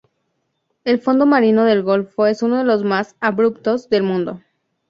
El fondo marino del golfo es uno de los más abruptos del mundo.